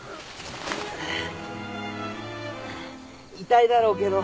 痛いだろうけど。